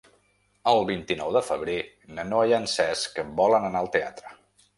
El vint-i-nou de febrer na Noa i en Cesc volen anar al teatre.